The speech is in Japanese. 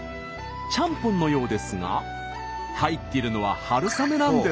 ちゃんぽんのようですが入っているのは春雨なんです。